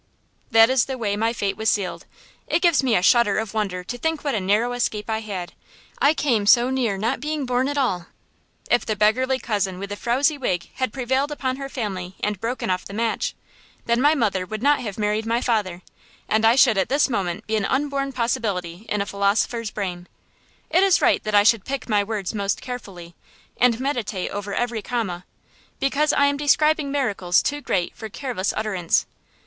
That is the way my fate was sealed. It gives me a shudder of wonder to think what a narrow escape I had; I came so near not being born at all. If the beggarly cousin with the frowzy wig had prevailed upon her family and broken off the match, then my mother would not have married my father, and I should at this moment be an unborn possibility in a philosopher's brain. It is right that I should pick my words most carefully, and meditate over every comma, because I am describing miracles too great for careless utterance.